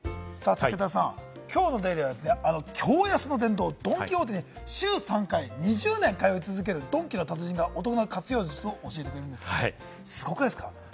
武田さん、きょうの『ＤａｙＤａｙ．』は驚安の殿堂、ドン・キホーテで週３回２０年通い続けるドンキの達人がお得な活用術を教えてくれるんです。